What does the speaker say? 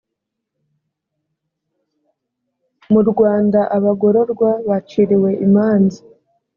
mu rwanda abagororwa baciriwe imanza .